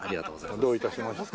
どういたしまして。